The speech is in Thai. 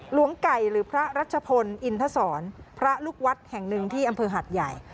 หลวงไก่หรือพระรัชพลอินทศรพระลูกวัดแห่งหนึ่งที่อำเภอหัดใหญ่